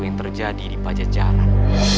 yang terjadi di pajajaran